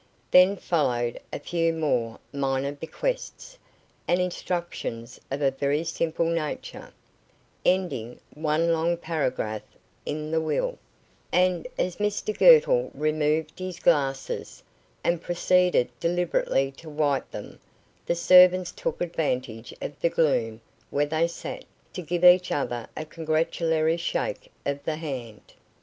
Then followed a few more minor bequests, and instructions of a very simple nature, ending one long paragraph in the will; and as Mr Girtle removed his glasses, and proceeded deliberately to wipe them, the servants took advantage of the gloom where they sat to give each other a congratulatory shake of the hand.